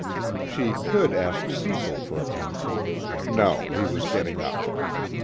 She could ask Cecil for a pencil no, he was getting up.